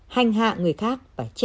hành hạ người khác và trẻ